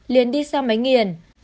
liền đi xe máy nghiển